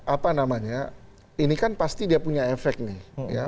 apa namanya ini kan pasti dia punya efek nih